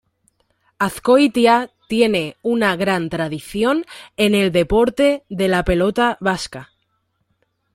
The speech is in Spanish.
Azcoitia tiene una gran tradición en el deporte de la pelota vasca.